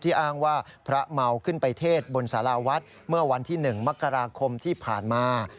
อ้างว่าพระเมาขึ้นไปเทศบนสาราวัดเมื่อวันที่๑มกราคมที่ผ่านมา